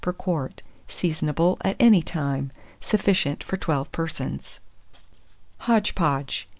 per quart. Seasonable at any time. Sufficient for 12 persons. HODGE PODGE.